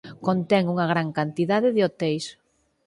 Contén unha gran cantidade de hoteis.